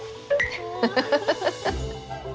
フフフフフ。